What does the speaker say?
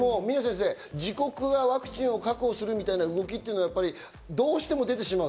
自国がワクチンを確保するみたいな動きっていうのはどうしても出てしまう。